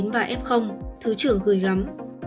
và f thứ trưởng gửi gắm